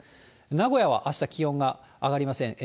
名古屋はあした気温が上がりません。